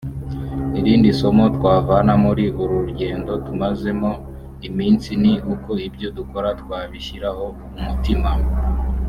irindi somo twavana muri uru rugendo tumazemo iminsi ni uko ibyo dukora twabishyiraho umutima